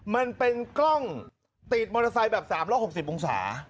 มันเป็นกล้องติดมอเตอร์ไซค์แบบ๓๖๐องศา